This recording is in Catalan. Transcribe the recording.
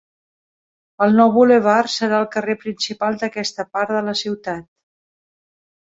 El nou bulevard serà el carrer principal d'aquesta part de la ciutat.